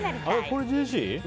これ、ジェシー？